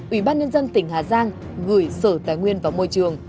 ủy ban nhân dân tỉnh hà giang gửi sở tài nguyên và môi trường